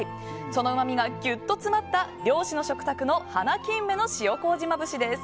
そのうまみがギュッと詰まった漁師の食卓の華金目の塩麹まぶしです。